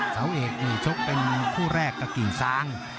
เสาเอกนี่ชกเป็นคู่แรกกับกิ่งซาง